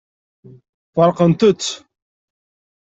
Feṛqent-tt.